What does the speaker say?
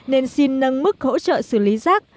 nên xin nâng mức hỗ trợ xử lý rác